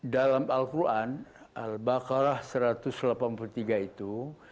dalam al quran al baqarah satu ratus delapan puluh tiga itu